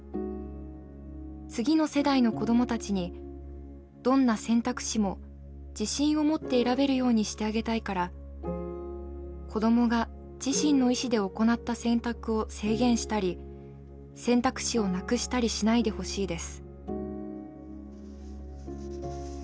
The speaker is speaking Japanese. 次の世代の子どもたちにどんな選択肢も自信を持って選べるようにしてあげたいから子どもが自身の意思で行った選択を制限したり選択肢をなくしたりしないでほしいです」。